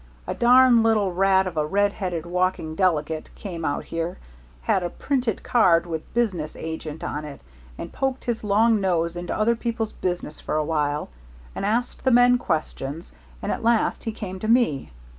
"A darn little rat of a red headed walking delegate came out here had a printed card with Business Agent on it and poked his long nose into other people's business for a while, and asked the men questions, and at last he came to me.